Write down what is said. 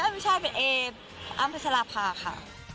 ไม่ใช่เป็นเออ้ำพัชราภาค่ะ